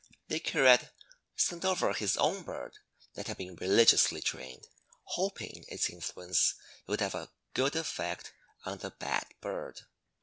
The curate sent over his own bird, that had been religiously trained, hoping its influence would have a good effect on the bad bird.